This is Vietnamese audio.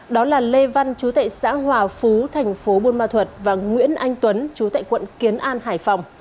đó là lê văn chú tệ xã hòa phú thành phố buôn ma thuật và nguyễn anh tuấn chú tại quận kiến an hải phòng